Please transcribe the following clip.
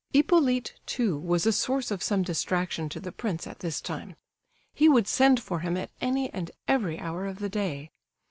Hippolyte, too, was a source of some distraction to the prince at this time; he would send for him at any and every hour of the day.